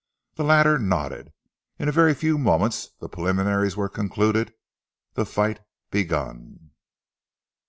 The latter nodded. In a very few moments the preliminaries were concluded, the fight begun.